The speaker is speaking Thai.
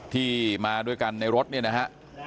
ที่มาด้วยกันในรถเนี่ยนะฮะ